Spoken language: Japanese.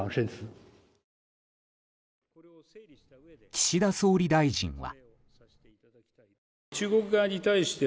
岸田総理大臣は。